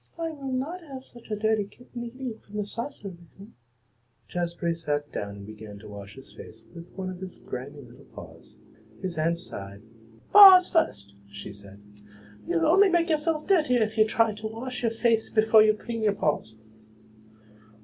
I will not have such a dirty kitten eating from the saucer with me." Jazbury sat down and began to wash his face with one of his grimy little paws. His aunt sighed. "Paws first," she said. "You'll only make yourself dirtier if you try to wash your face before you clean your paws."